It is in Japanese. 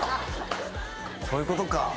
そういうことか。